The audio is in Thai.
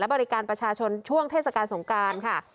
บริการประชาชนช่วงเทศกาลสงการค่ะ